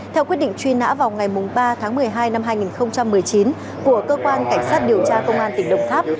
theo quyết định truy nã vào ngày ba tháng một mươi hai năm hai nghìn một mươi chín của cơ quan cảnh sát điều tra công an tỉnh đồng tháp